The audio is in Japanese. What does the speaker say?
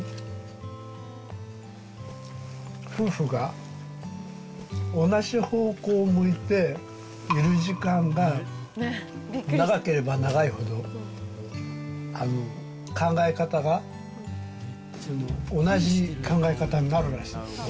夫婦が同じ方向向いている時間が、長ければ長いほど、考え方が同じ考え方になるらしいんです。